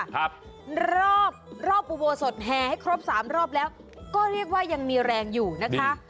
ครับรอบรอบอุโบสถแห่ให้ครบสามรอบแล้วก็เรียกว่ายังมีแรงอยู่นะคะ